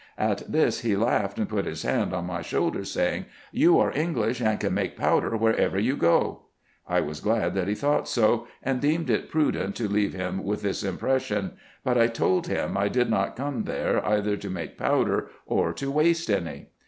At this he laughed, and put his hand on my shoulder, saying, " You are English, and can make powder wherever you go." I was glad that he thought so, and deemed it prudent to leave him with this impression ; but I told him 1 did 76 RESEARCHES AND OPERATIONS not come there either to make powder or to waste any.